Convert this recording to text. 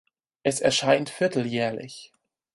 Es erscheint vierteljährlich.